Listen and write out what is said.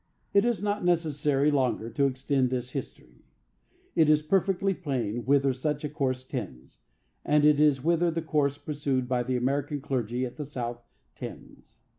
It is not necessary longer to extend this history. It is as perfectly plain whither such a course tends, as it is whither the course pursued by the American clergy at the South tends.